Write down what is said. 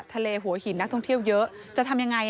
ทะเลหัวหินนักท่องเที่ยวเยอะจะทำยังไง